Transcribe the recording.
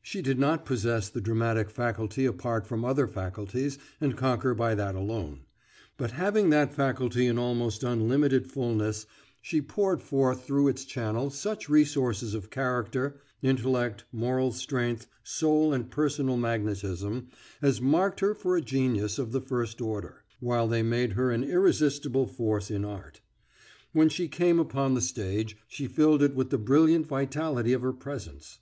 She did not possess the dramatic faculty apart from other faculties and conquer by that alone: but having that faculty in almost unlimited fulness, she poured forth through its channel such resources of character, intellect, moral strength, soul, and personal magnetism as marked her for a genius of the first order, while they made her an irresistible force in art. When she came upon the stage she filled it with the brilliant vitality of her presence.